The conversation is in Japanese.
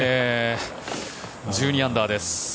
１２アンダーです。